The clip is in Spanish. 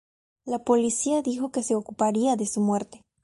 La policía dijo que se ocuparía de su muerte.